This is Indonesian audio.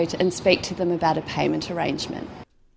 dan berbicara dengan mereka tentang aturan pembayaran